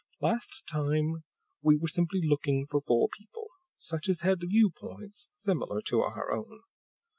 Last time, we were simply looking for four people, such as had view points similar to our own.